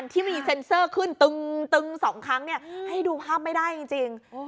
ตึงสองครั้งเนี่ยให้ดูภาพไม่ได้จริง